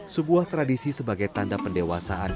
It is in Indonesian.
sebuah tradisi sebagai tanda pendewasaan